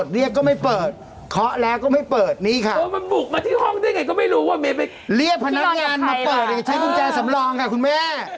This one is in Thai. เรียกพนักงานมาพิเศษเปิดใช้กุญแจสำรองค่ะคุณแม่